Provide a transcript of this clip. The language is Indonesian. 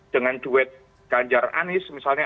dengan duet ganjar anis misalnya